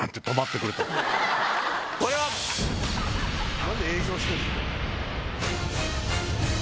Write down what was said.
何で営業してんだよ！